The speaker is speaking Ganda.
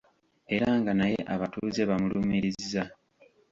Era nga naye abatuuze bamulumirizza.